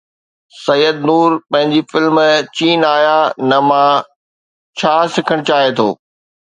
سيد نور پنهنجي فلم چين آيا نه مان ڇا سکڻ چاهي ٿو؟